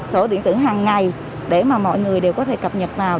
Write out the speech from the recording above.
sổ điện tử hàng ngày để mà mọi người đều có thể cập nhật vào